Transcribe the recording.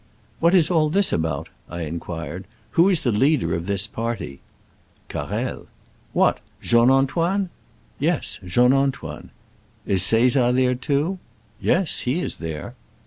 "What is all this about?" I inquired: "who is the leader of this party?" "Carrel." "What! Jean Antoine ?" "Yes, Jean Antoine." "Is Caesar there too?" "Yes, he is there."